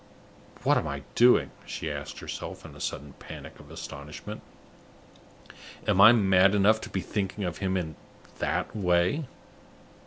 "What am I doing?" she asked herself, in a sudden panic of astonishment. "Am I mad enough to be thinking of him in that way?"